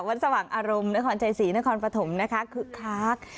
วันสมัครอารมณ์นครใจศรีนครปฐมนะคะคือครัก